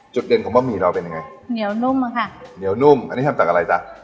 จุดเด่นของบะหมี่เราเป็นยังไงเหนียวนุ่มอะค่ะเหนียวนุ่มอันนี้ทำจากอะไรจ๊ะ